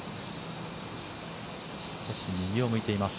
少し右を向いています。